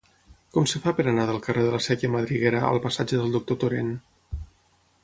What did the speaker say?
Com es fa per anar del carrer de la Sèquia Madriguera al passatge del Doctor Torent?